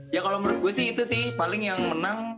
ya kalau menurut gue sih itu sih paling yang menang